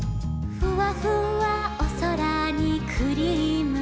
「ふわふわおそらにクリームだ」